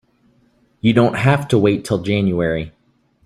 You don't have to wait till January.